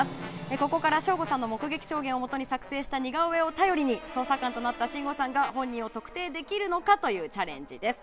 ここから省吾さんの目撃証言をもとに作成した似顔絵を頼りに捜査官となった信五さんが本人を特定できるのかというチャレンジです。